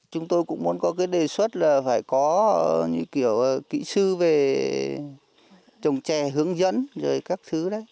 chúng tôi cũng muốn có cái đề xuất là phải có những kiểu kỹ sư về trồng chè hướng dẫn rồi các thứ đấy